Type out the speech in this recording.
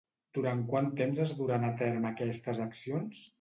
Durant quant temps es duran a terme aquestes accions?